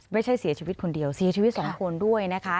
ไม่ใช่เสียชีวิตคนเดียวเสียชีวิต๒คนด้วยนะคะ